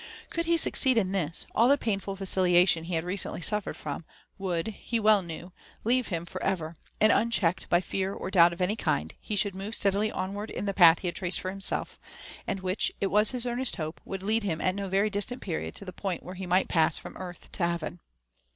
Could he succeed in this, all the painful vacillation he had recently suffered from, would, he well knew, leave him for ever; and unchecked by fear or doubt of any kind, he should move steadily onward in the path he had traced for himself, and which, it was his earnest hope, would lead him at no very distant period to the point where he might pass from earth to heaven.